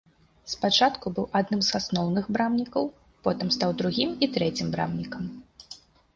Спачатку быў адным з асноўных брамнікаў, потым стаў другім і трэцім брамнікам.